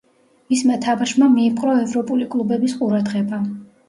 მისმა თამაშმა მიიპყრო ევროპული კლუბების ყურადღება.